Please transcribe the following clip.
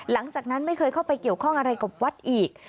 หลังจากนั้นไม่เคยเข้าไปเกี่ยวข้องอะไรกับวัดอีก